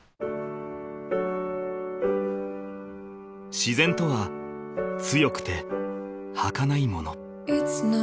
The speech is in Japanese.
［自然とは強くてはかないもの］